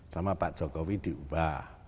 sama pak jokowi diubah